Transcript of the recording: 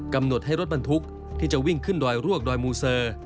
กำหนดให้รถบรรทุกที่จะวิ่งขึ้นดอยรวกดอยมูเซอร์